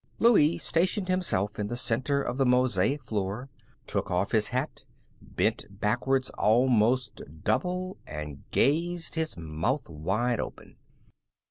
Louie stationed himself in the center of the mosaic floor, took off his hat, bent backward almost double and gazed, his mouth wide open.